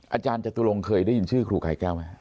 อาจารย์จตุลงเคยได้ยินชื่อครูไกรแก้วไหม